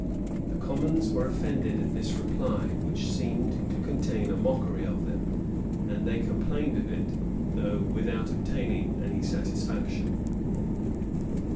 The commons were offended at this reply, which seemed to contain a mockery of them; and they complained of it, though without obtaining any satisfaction.